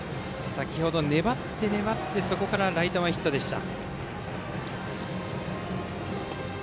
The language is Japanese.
先程、粘って粘ってのライト前ヒットでした。